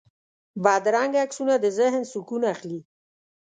بدرنګه عکسونه د ذهن سکون اخلي